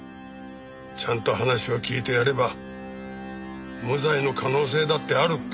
ちゃんと話を聞いてやれば無罪の可能性だってあるってわかったはずなんだ。